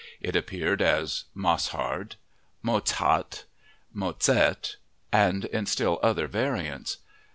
It appeared as "Mosshard," "Motzhart," "Mozert," and in still other variants.